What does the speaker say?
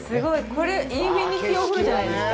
これ、インフィニティお風呂じゃないですか。